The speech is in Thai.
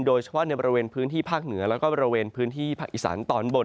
โดยเฉพาะในบริเวณพื้นที่ภาคเหนือแล้วก็บริเวณพื้นที่ภาคอีสานตอนบน